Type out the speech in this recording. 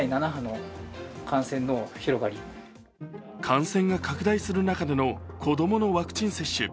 感染が拡大する中での子供のワクチン接種。